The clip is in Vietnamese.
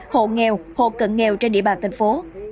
hộ nghèo hộ cận nghèo trên địa bàn thành phố